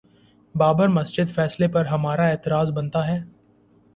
بابری مسجد فیصلے پر ہمارا اعتراض بنتا ہے؟